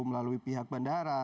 melalui pihak bandara